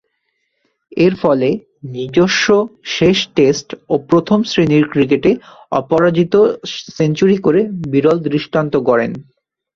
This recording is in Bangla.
এরফলে নিজস্ব শেষ টেস্ট ও প্রথম-শ্রেণীর ক্রিকেটে অপরাজিত সেঞ্চুরি করে বিরল দৃষ্টান্ত গড়েন।